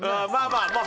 まあまあ。